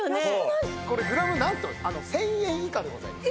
これグラムなんと１０００円以下でございます。